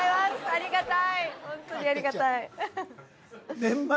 ありがたい。